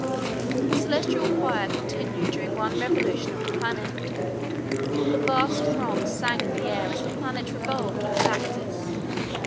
The celestial choir continued during one revolution of the planet. The vast throng sang in the air as the planet revolved on its axis.